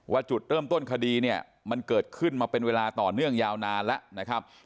จุดเริ่มต้นคดีเนี่ยมันเกิดขึ้นมาเป็นเวลาต่อเนื่องยาวนานแล้วนะครับ